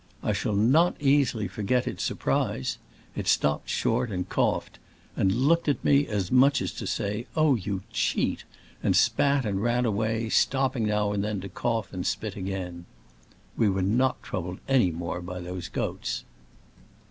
I shall not easily forget its surprise. It stopped short and coughed, and looked at me as much as to say, 0h, you cheat!" and spat and ran away, stopping now and then, to cough and spit again. We were not troubled any more by those goats.